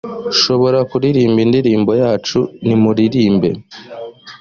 shobora kuririmba indirimbo yacu nimuririmbe